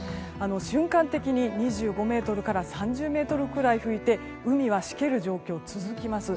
瞬間的に２５メートルから３０メートルぐらい吹いて海はしける状況が続きます。